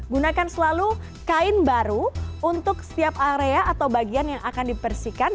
gunakan selalu kain baru untuk setiap area atau bagian yang akan dibersihkan